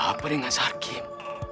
ada apa dengan sarkim